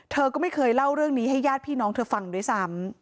เธอก็ไม่เคยเล่าเรื่องนี้ให้ญาติพี่น้องเธอฟังด้วยซ้ำ